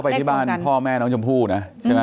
ไปที่บ้านพ่อแม่น้องชมพู่นะ